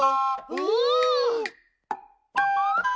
お！